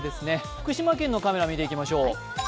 福島県のカメラ見ていきましょう。